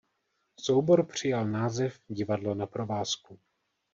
Soubor přijal název Divadlo na provázku.